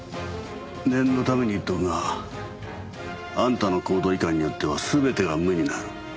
念のために言っておくがあんたの行動いかんによっては全てが無になる。